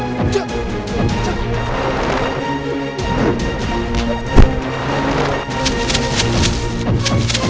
kasih anak buang tuhan